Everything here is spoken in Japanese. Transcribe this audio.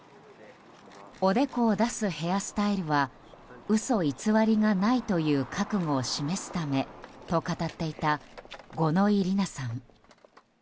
おでこを出すヘアスタイルは嘘偽りがないという覚悟を示すためと語っていた五ノ井里奈さん。